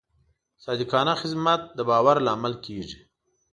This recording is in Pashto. صادقانه خدمت د باور لامل کېږي.